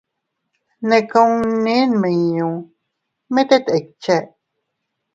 Ne kunni nmiñu mit tet ikche.